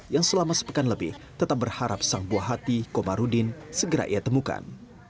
yang selama sepekan lebih tetap berharap sang buah hati komarudin segera ia temukan